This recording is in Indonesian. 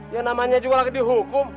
yang namanya juga lagi dihukum